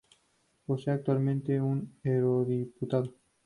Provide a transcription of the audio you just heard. Posee actualmente un eurodiputado.